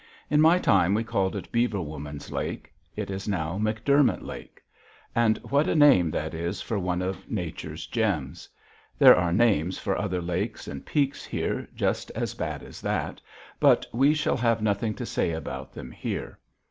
In my time we called it Beaver Woman's Lake. It is now McDermott Lake. And what a name that is for one of Nature's gems! There are names for other lakes and peaks here just as bad as that, but we shall have nothing to say about them here.